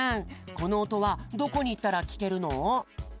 このおとはどこにいったらきけるの？